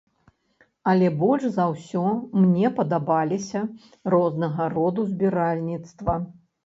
Але больш за ўсё мне падабаліся рознага роду збіральніцтва.